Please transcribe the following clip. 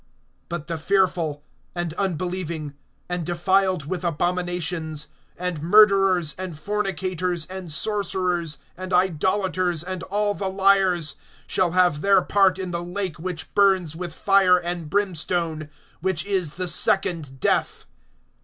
(8)But the fearful, and unbelieving, and defiled with abominations, and murderers, and fornicators, and sorcerers, and idolaters, and all the liars, shall have their part in the lake which burns with fire and brimstone, which is the second death.